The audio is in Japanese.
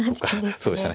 そうでしたね。